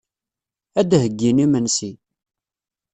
Ad d-heyyin imensi.